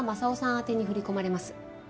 宛てに振り込まれます。